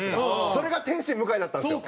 それが天津向だったんですよ。